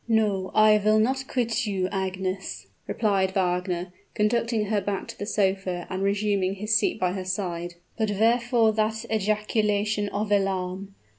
"No, I will not quit you, Agnes," replied Wagner, conducting her back to the sofa and resuming his seat by her side. "But wherefore that ejaculation of alarm?